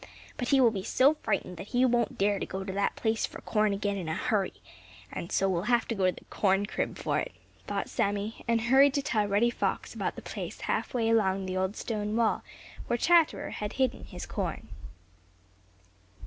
But he will be so frightened that he won't dare go to that place for corn again in a hurry, and so will have to go to the corn crib for it," thought Sammy, and hurried to tell Reddy Fox about the place half way along the old stone wall where Chatterer had hidden his corn.